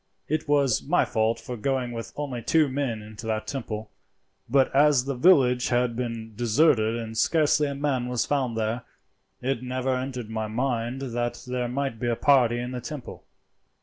It was my fault for going with only two men into that temple; but as the village had been deserted and scarcely a man was found there, it never entered my mind that there might be a party in the temple."